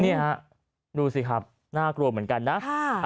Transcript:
นี่ฮะดูสิครับน่ากลัวเหมือนกันนะ